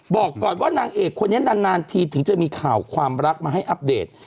บอกก่อนว่านางเอกคนนี้นานทีถึงจะมีข่าวความรักมาให้อัปเดต